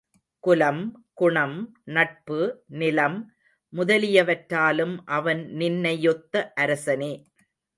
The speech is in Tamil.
குலம், குணம், நட்பு, நிலம் முதலியவற்றாலும் அவன் நின்னை யொத்த அரசனே.